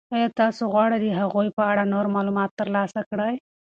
آیا تاسو غواړئ د هغوی په اړه نور معلومات ترلاسه کړئ؟